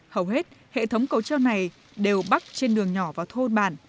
hầu hết hệ thống cầu treo này đều bắc trên đường nhỏ vào thôn bản